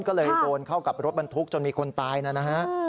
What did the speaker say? ก็เลยโดนเข้ากับรถบรรทุกจนมีคนตายนะฮะ